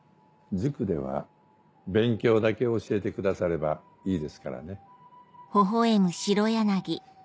塾では勉強だけ教えてくださればいいですからね